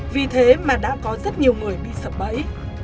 vì thế mà đã có rất nhiều người bị sập bẫy